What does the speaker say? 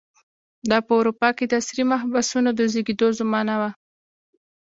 دا په اروپا کې د عصري محبسونو د زېږېدو زمانه وه.